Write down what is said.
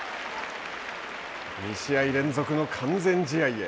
２試合連続完全試合へ。